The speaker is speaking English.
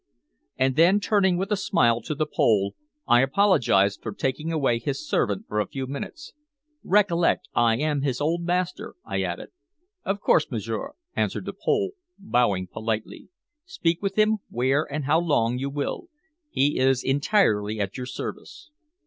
And then turning with a smile to the Pole, I apologized for taking away his servant for a few minutes. "Recollect, I am his old master, I added." "Of course, m'sieur," answered the Pole, bowing politely. "Speak with him where and how long you will. He is entirely at your service."